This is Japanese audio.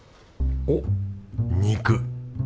おっ肉。